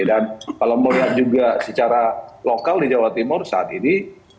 dan kalau melihat juga secara lokal di jawa timur saat ini